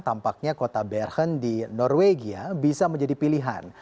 tampaknya kota bergen di norwegia bisa menjadi pilihan